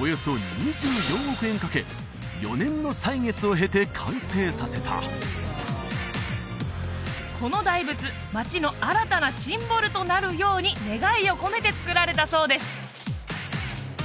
およそ２４億円かけ４年の歳月を経て完成させたこの大仏街の新たなシンボルとなるように願いを込めて造られたそうです